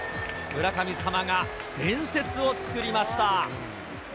村神様が伝説を作りました。